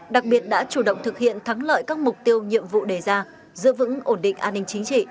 đặc biệt đã chủ động thực hiện thắng lợi các mục tiêu nhiệm vụ đề ra giữ vững ổn định an ninh chính trị